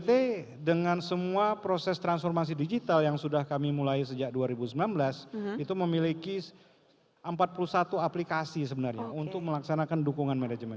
jadi semua proses transformasi digital yang sudah kami mulai sejak dua ribu sembilan belas itu memiliki empat puluh satu aplikasi sebenarnya untuk melaksanakan dukungan manajemen